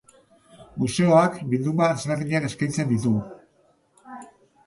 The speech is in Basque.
Museoak bilduma desberdinak eskaintzen ditu.